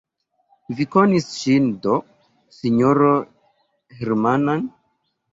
Vi konis ŝin do, sinjoro Hermann!